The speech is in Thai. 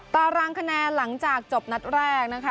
ต่อรั้งคะแนนหลังจากจบนัดแรก